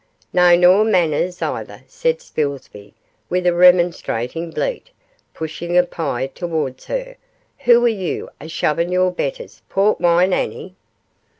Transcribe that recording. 'No, nor manners either,' said Spilsby, with a remonstrating bleat, pushing a pie towards her; 'who are you, a shovin' your betters, Portwine Annie?